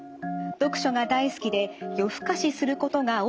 読書が大好きで夜更かしすることが多くあります。